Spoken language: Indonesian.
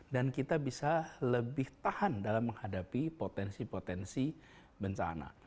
dan kita bisa lebih tahan dalam menghadapi potensi potensi bencana